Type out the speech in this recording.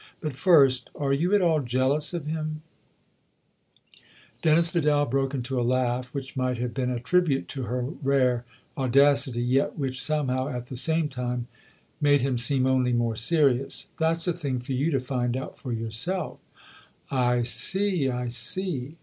But first are you at all jealous of him ?" Dennis Vidal broke into a laugh which might have been a tribute to her rare audacity, yet which somehow, at the same time, made him seem only more serious. " That's a thing for you to find out for yourself!" " I see I see."